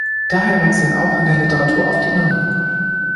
Daher wechseln auch in der Literatur oft die Namen.